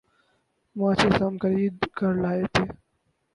ماچس ہم خرید کر لائے تھے ۔